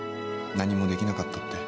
何もできなかったって。